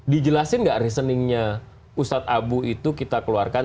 dijelasin nggak reasoning nya ustadz abu itu kita keluarkan